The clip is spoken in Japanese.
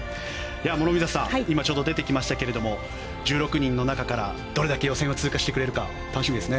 諸見里さん、今、ちょうど出てきましたけれども１６人の中からどれだけ予選を通過してくれるか楽しみです。